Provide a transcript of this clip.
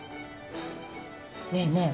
ねえねえ